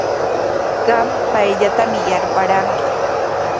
Qam payllatami yarparanki.